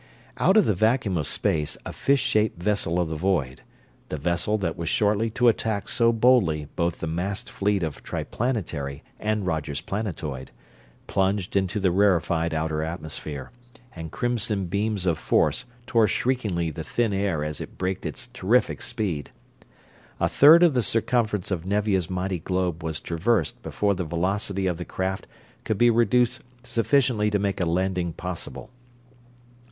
] Out of the vacuum of space a fish shaped vessel of the void the vessel that was shortly to attack so boldly both the massed fleet of Triplanetary and Roger's planetoid plunged into the rarefied outer atmosphere, and crimson beams of force tore shriekingly the thin air as it braked its terrific speed. A third of the circumference of Nevia's mighty globe was traversed before the velocity of the craft could be reduced sufficiently to make a landing possible.